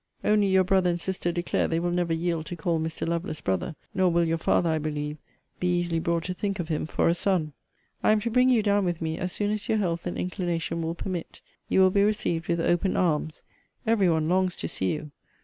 Only your brother and sister declare they will never yield to call Mr. Lovelace brother; nor will your father, I believe, be easily brought to think of him for a son. I am to bring you down with me as soon as your health and inclination will permit. You will be received with open arms. Every one longs to see you.